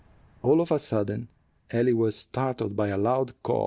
All of a sudden Ellie was startled by a loud "caw."